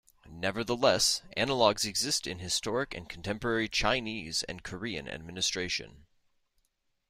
Nevertheless, analogues exist in historic and contemporary Chinese and Korean administration.